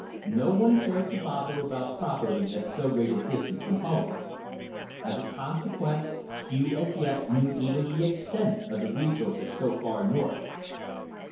No one cared to bother about property at so great a distance from home. As a consequence, few as yet knew even the extent of the resources so far north.